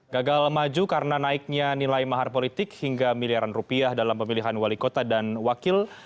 gagal maju karena naiknya nilai mahar politik hingga miliaran rupiah dalam pemilihan wali kota dan wakil